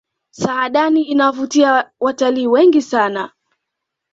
saadani inawavutia watalii wengi sana